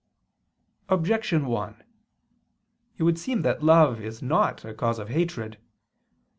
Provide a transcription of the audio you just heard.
Objection 1: It would seem that love is not a cause of hatred.